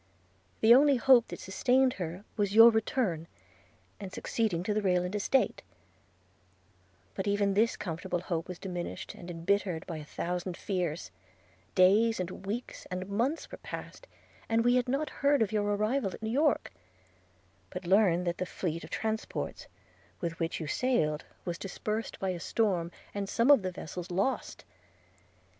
– The only hope that sustained her was your return and succeeding to the Rayland estate: but even this comfortable hope was diminished and embittered by a thousand fears: – days, and weeks, and months, were passed, and we had not heard of your arrival at New York; but learned that the fleet of transports, with which you sailed, was dispersed by a storm, and some of the vessels lost.